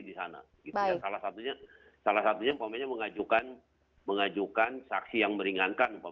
membela diri di sana salah satunya salah satunya mengajukan saksi yang meringankan